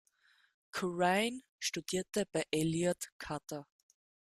Curran studierte bei Elliott Carter.